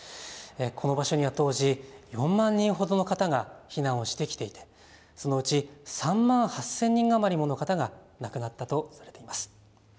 この場所には当時、４万人ほどの方が避難をしてきていてそのうち３万８０００人余りもの方が亡くなったとされています。